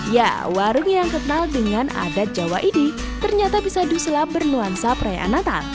ya warung yang kenal dengan adat jawa ini ternyata bisa dusela bernuansa perayaan natal